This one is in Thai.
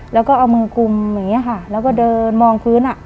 แล้วก็เอามือกลุ่มอย่างนี้ค่ะแล้วก็เดินมองพื้นอ่ะ